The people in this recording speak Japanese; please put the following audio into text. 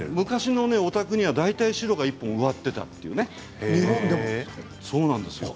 昔のお宅には大体シュロが１本植わっていたんです。